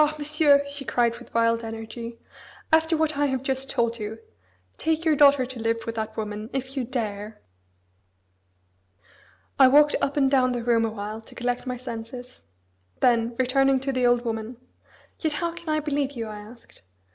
Monsieur", she cried with wild energy. "After what I have just told you, take your daughter to live with that woman if you dare." I walked up and down the room awhile to collect my senses. Then, returning to the old woman, "Yet how can I believe you?" I asked.